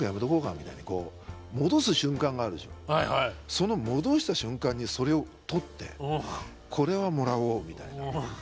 その戻した瞬間にそれを取ってこれはもらおうみたいな。